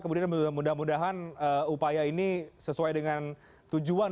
kemudian mudah mudahan upaya ini sesuai dengan tujuan